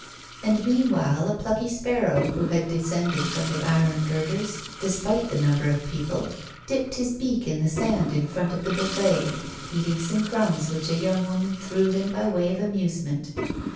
And meanwhile a plucky sparrow, who had descended from the iron girders, despite the number of people, dipped his beak in the sand in front of the buffet, eating some crumbs which a young woman threw him by way of amusement.